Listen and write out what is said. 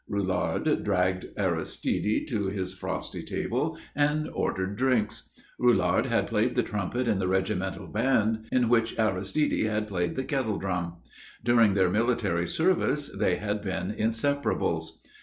_" Roulard dragged Aristide to his frosty table and ordered drinks. Roulard had played the trumpet in the regimental band in which Aristide had played the kettle drum. During their military service they had been inseparables.